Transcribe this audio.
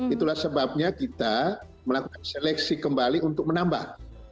itulah sebabnya kita melakukan seleksi kembali untuk menambah